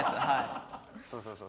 そうそうそうそう。